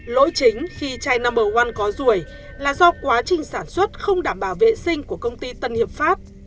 lỗi chính khi chai novo one có ruồi là do quá trình sản xuất không đảm bảo vệ sinh của công ty tân hiệp pháp